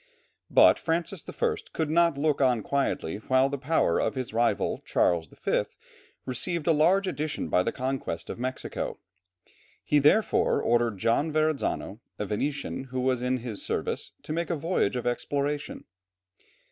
But Francis I. could not look on quietly while the power of his rival Charles V. received a large addition by the conquest of Mexico. He therefore ordered John Verrazzano, a Venetian who was in his service, to make a voyage of exploration.